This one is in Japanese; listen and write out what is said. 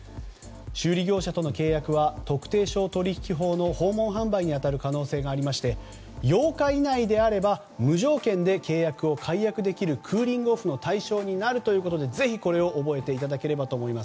修理業者との契約は特定商取引法の訪問販売に当たる可能性がありまして８日以内であれば無条件で契約を解約できるクーリングオフの対象になるということでぜひこれを覚えていただければと思います。